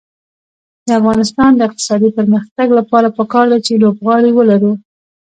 د افغانستان د اقتصادي پرمختګ لپاره پکار ده چې لوبغالي ولرو.